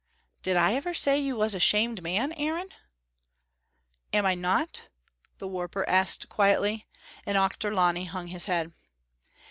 "Did I ever say you was a shamed man, Aaron?" "Am I not?" the warper asked quietly; and Auchterlonie hung his head.